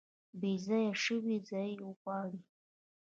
بیځایه شوي ځای غواړي